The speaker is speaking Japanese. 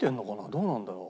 どうなんだろう？